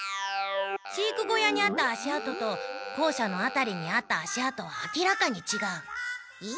飼育小屋にあった足あとと校舎のあたりにあった足あとは明らかにちがう。え？